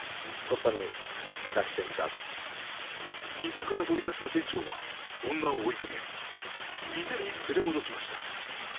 店から飛び出した店長は女を追いかけ店に連れ戻しました。